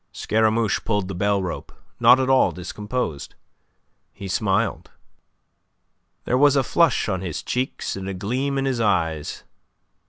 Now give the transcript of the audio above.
Scaramouche pulled the bell rope, not at all discomposed. He smiled. There was a flush on his cheeks and a gleam in his eyes.